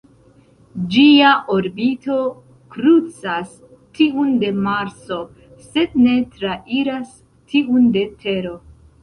Ĝia orbito krucas tiun de Marso sed ne trairas tiun de Tero.